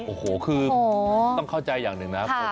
โอ้โหคือต้องเข้าใจอย่างหนึ่งนะ